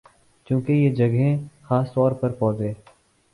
چونکہ یہ جگہیں خاص طور پر پودے